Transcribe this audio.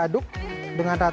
masukkan air panas